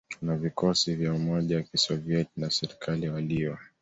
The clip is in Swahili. na vikosi vya umoja wa Kisoviet na serikali waliyo